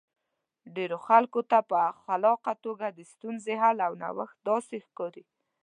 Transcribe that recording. ډېرو خلکو ته په خلاقه توګه د ستونزې حل او نوښت داسې ښکاري.